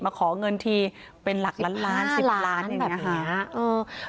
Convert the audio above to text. มาของเงินที่เป็นหลักล้านล้านสิบห้าล้านแบบเนี้ยเออ